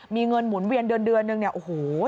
มีเงินหมุนเวียนเดือนนึงเนี่ยโอ้โห